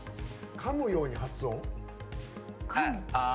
かむように発音？